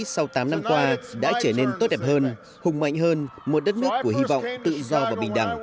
sau tám năm qua đã trở nên tốt đẹp hơn hùng mạnh hơn một đất nước của hy vọng tự do và bình đẳng